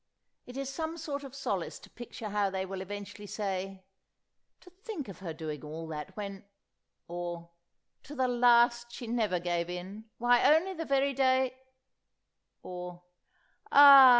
It is some sort of solace to picture how they will eventually say, "To think of her doing all that, when——"; or, "To the last she never gave in; why only the very day——!"; or, "Ah!